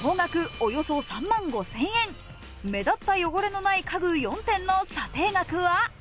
およそ３万５０００円、目立った汚れのない家具４点の査定額は。